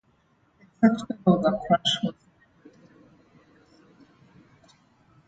The exact cause of the crash was never determined beyond reasonable doubt.